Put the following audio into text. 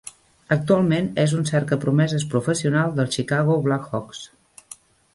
Actualment é un cercapromeses professional dels Chicago Blackhawks.